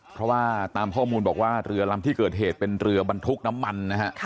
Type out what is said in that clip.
เพราะว่าตามข้อมูลบอกว่าเรือลำที่เกิดเหตุเป็นเรือบรรทุกน้ำมันนะฮะ